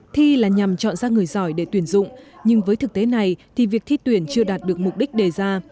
thi là nhằm chọn ra người giỏi để tuyển dụng nhưng với thực tế này thì việc thi tuyển chưa đạt được mục đích đề ra